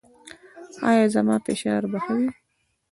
ایا زما فشار به ښه شي؟